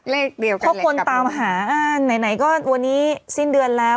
เลขเดียวกันแหละเพราะคนตามหาอ่าไหนไหนก็วันนี้สิ้นเดือนแล้ว